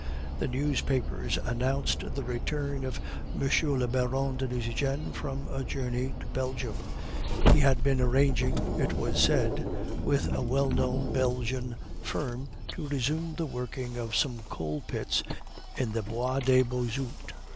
The newspapers announced the return of M. le Baron de Nucingen from a journey to Belgium; he had been arranging, it was said, with a well known Belgian firm to resume the working of some coal pits in the Bois de Bossut.